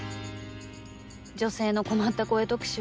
「女性の困った声特集」